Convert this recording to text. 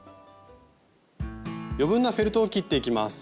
余分なフェルトを切っていきます。